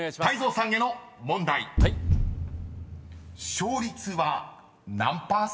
［勝率は何％？］